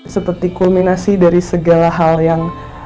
seperti kulminasi dari segala hal yang